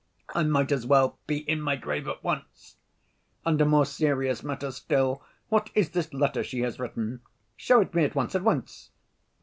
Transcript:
I might as well be in my grave at once. And a more serious matter still, what is this letter she has written? Show it me at once, at once!"